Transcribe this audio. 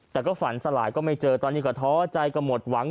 แต่ก็ฝันสลายก็ไม่เจอตอนนี้ก็ท้อใจก็หมดหวัง